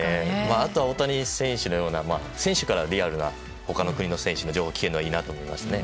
あとは大谷選手のような選手からリアルな他の国の選手の情報を聞けるのはいいなと思いますね。